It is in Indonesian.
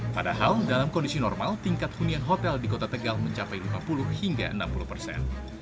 padahal dalam kondisi normal tingkat hunian hotel di kota tegal mencapai lima puluh hingga enam puluh persen